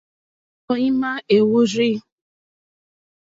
Tɔ̀ímá èhwórzí.